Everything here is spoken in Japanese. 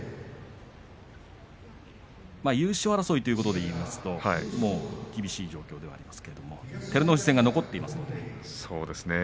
優勝争いということで言いますと厳しい状況ではありますが照ノ富士戦が残っています。